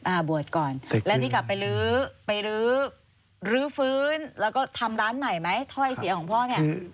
บวชก่อนแล้วนี่กลับไปลื้อไปลื้อลื้อฟื้นแล้วก็ทำร้านใหม่ไหมถ้อยเสียของพ่อเนี่ย